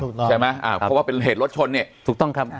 ใช่ไหมอ่าเพราะว่าเป็นเหตุรถชนเนี่ยถูกต้องครับ